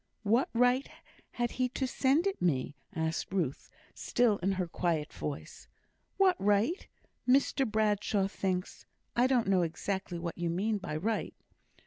"What right had he to send it me?" asked Ruth, still in her quiet voice. "What right? Mr Bradshaw thinks I don't know exactly what you mean by 'right.'"